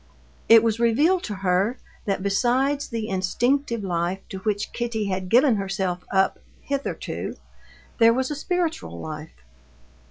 It was revealed to her that besides the instinctive life to which Kitty had given herself up hitherto there was a spiritual life.